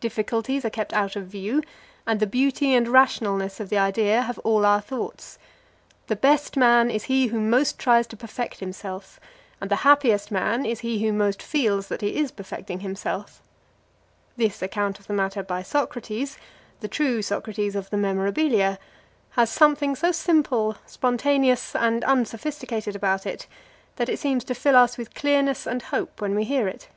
Difficulties are kept out of view, and the beauty and rationalness of the ideal have all our thoughts. "The best man is he who most tries to perfect himself, and the happiest man is he who most feels that he is perfecting himself," this account of the matter by Socrates, the true Socrates of the Memorabilia, has something so simple, spontaneous, and unsophisticated about it, that it seems to fill us with clearness and hope when we hear it.